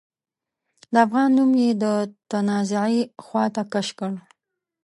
د افغان نوم يې د تنازعې خواته کش کړ.